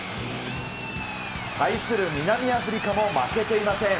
対する南アフリカも負けていません。